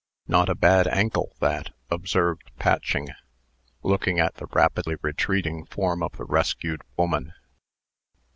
"Not a bad ankle, that," observed Patching, looking at the rapidly retreating form of the rescued woman.